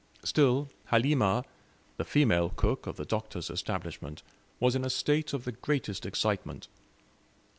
Still, Halimah, the female cook of the Doctor's establishment, was in a state of the greatest excitement.